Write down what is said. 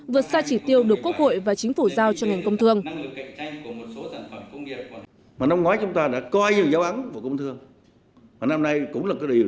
vượt xa chỉ tiêu được quốc hội và chính phủ giao cho ngành công thương